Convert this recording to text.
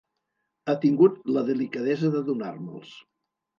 Ha tingut la delicadesa de donar-me'ls.